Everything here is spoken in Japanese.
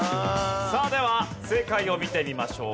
さあでは正解を見てみましょう。